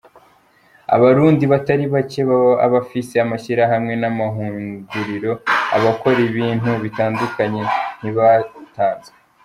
Abarundi batari bake baba abafise amashirahamwe n’amahinguriro akora ibintu bitandukanye ntibatanzwe.